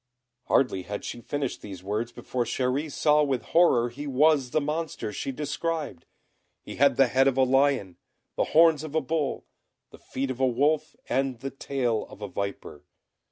Hardly had she finished these words before Chéri saw with horror he was the monster she described. He had the head of a lion, the horns of a bull, the feet of a wolf, and the tail of a viper.